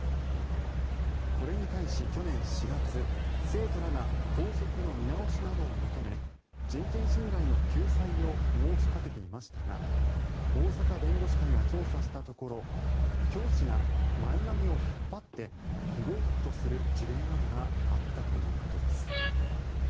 これに対し去年４月、生徒らが校則の見直しなどを求め人権侵害の救済を申し立てていましたが大阪弁護士会が調査したところ教師が前髪を引っ張って不合格とする事例などがあったということです。